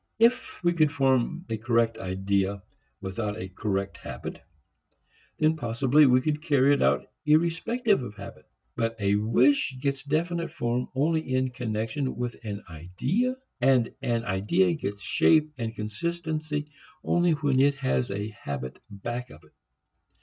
If we could form a correct idea without a correct habit, then possibly we could carry it out irrespective of habit. But a wish gets definite form only in connection with an idea, and an idea gets shape and consistency only when it has a habit back of it.